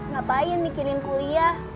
ngapain bikinin kuliah